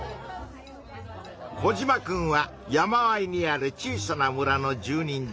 コジマくんは山あいにある小さな村の住人だ。